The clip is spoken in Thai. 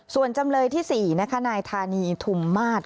ส่วนจำเลยที่๔นายธานีถุมมาตร